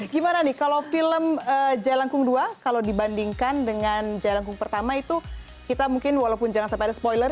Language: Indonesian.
gimana nih kalau film jailangkung dua kalau dibandingkan dengan jelangkung pertama itu kita mungkin walaupun jangan sampai ada spoiler